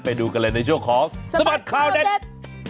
ไปดูกันเลยในช่วงของสบัดข่าวเด็ด